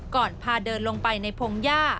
พาเดินลงไปในพงหญ้า